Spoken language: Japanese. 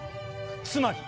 つまり？